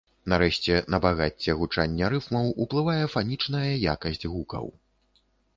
Нарэшце, на багацце гучання рыфмаў уплывае фанічная якасць гукаў.